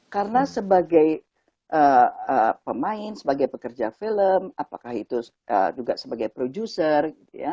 karena sebagai pemain sebagai pekerja film apakah itu juga sebagai produser